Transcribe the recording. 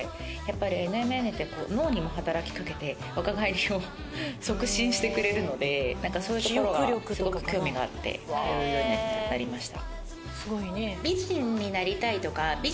ＮＭＮって脳にも働き掛けて若返りを促進してくれるのでそういうところはすごく興味があって通うようになりました。